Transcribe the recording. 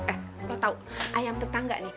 eh lo tau ayam tetangga nih